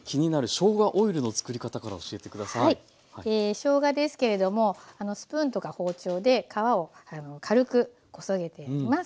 しょうがですけれどもスプーンとか包丁で皮を軽くこそげていきます。